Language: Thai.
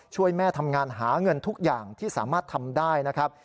ช่วยแม่ทำงานหาเงินทุกอย่างที่สามารถทำได้นะครับ